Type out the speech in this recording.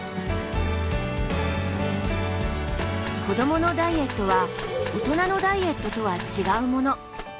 子どものダイエットは大人のダイエットとは違うもの。